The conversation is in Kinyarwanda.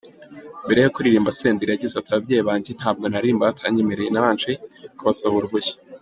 Mbere yo kuririmba, Senderi yagize ati “Ababyeyi banjye ntabwo naririmba batanyemereye, nabanje kubasaba uruhushya.